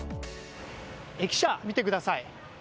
駅舎、見てください。